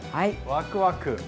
ワクワク。